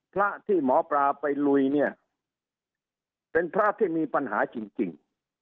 พระที่หมอปลาไปลุยเนี่ยเป็นพระที่มีปัญหาจริง